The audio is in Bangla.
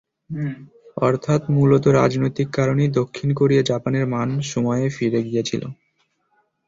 অর্থাৎ মূলত রাজনৈতিক কারণেই দক্ষিণ কোরিয়া জাপানের মান সময়ে ফিরে গিয়েছিল।